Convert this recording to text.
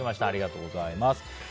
ありがとうございます。